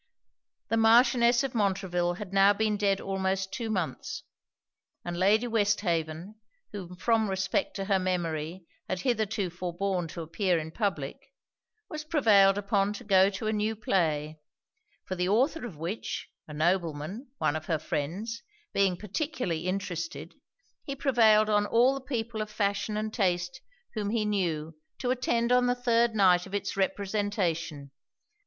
The Marchioness of Montreville had now been dead almost two months; and Lady Westhaven, who from respect to her memory had hitherto forborne to appear in public, was prevailed upon to go to a new play; for the author of which, a nobleman, one of her friends, being particularly interested, he prevailed on all the people of fashion and taste whom he knew to attend on the third night of it's representation.